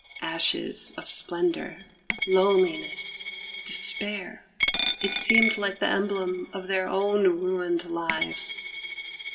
Ashes of splendour, loneliness, despair it seemed like the emblem of their own ruined lives.